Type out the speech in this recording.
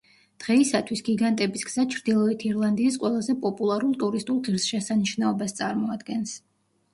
დღეისათვის, გიგანტების გზა ჩრდილოეთ ირლანდიის ყველაზე პოპულარულ ტურისტულ ღირსშესანიშნაობას წარმოადგენს.